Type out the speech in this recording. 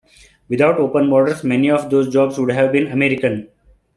Without open borders, many of those jobs would have been American.